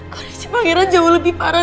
kondisi pangeran jauh lebih parah